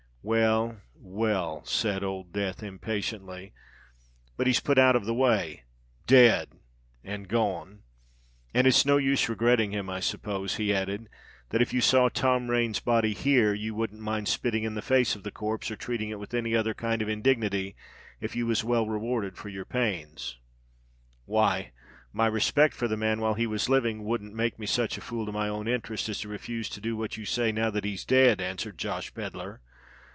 "Well—well," said Old Death, impatiently: "but he's put out of the way—dead—and gone—and it's no use regretting him. I suppose," he added, "that if you saw Tom Rain's body here, you wouldn't mind spitting in the face of the corpse, or treating it with any other kind of indignity, if you was well rewarded for your pains!" "Why—my respect for the man while he was living wouldn't make me such a fool to my own interests as to refuse to do what you say now that he's dead," answered Josh Pedler.